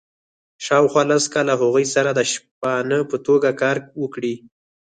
شاوخوا لس کاله هغوی سره د شپانه په توګه کار وکړي.